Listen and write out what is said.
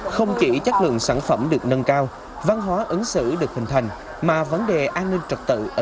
không chỉ chất lượng sản phẩm được nâng cao văn hóa ứng xử được hình thành mà vấn đề an ninh trật tự ở